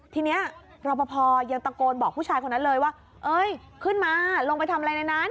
ทีนี้รอปภยังตะโกนบอกผู้ชายคนนั้นเลยว่าเอ้ยขึ้นมาลงไปทำอะไรในนั้น